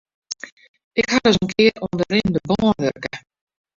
Ik ha ris in kear oan de rinnende bân wurke.